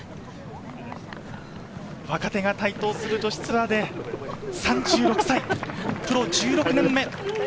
若手が台頭する女子ツアーで、３６歳、プロ１６年目。